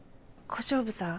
小勝負さん？